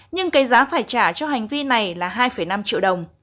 nhưng cái giá phải trả cho hành vi này là hai năm triệu đồng